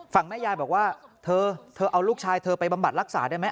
แม่ยายบอกว่าเธอเธอเอาลูกชายเธอไปบำบัดรักษาได้ไหม